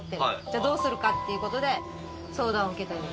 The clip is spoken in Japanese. じゃあどうするかっていうことで相談を受けたり。